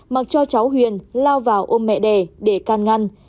mặc cho cháu huyền lao vào ôm mẹ đẻ để can ngăn